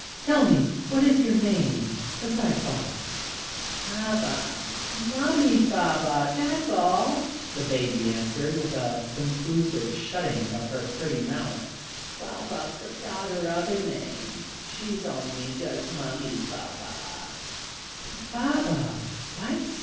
Tell me what your name is besides Baba." "Baba Mummy's Baba dat's all," the baby answered, with a conclusive shutting of her pretty mouth. "Baba's forgot her other name she's only just Mummy's Baba." "But Baba what?"